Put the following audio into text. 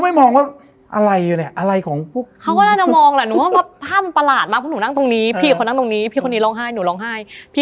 ไม่มีอารมณ์แล้วมาทองหล่อนั่งร้องไห้